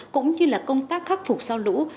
cũng như là công tác khắc phục sau lũ